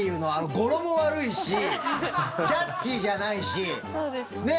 語呂も悪いしキャッチーじゃないし。